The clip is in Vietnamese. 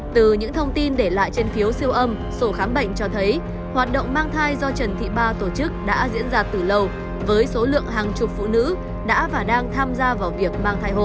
từ những thông tin để lại trên phiếu siêu âm sổ khám bệnh cho thấy hoạt động mang thai do trần thị ba tổ chức đã diễn ra từ lâu với số lượng hàng chục phụ nữ đã và đang tham gia vào việc mang thai hộ